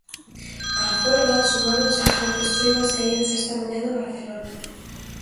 Á folga sumáronse as fortes choivas caídas está mañá en Barcelona.